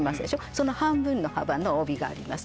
その半分の幅の帯があります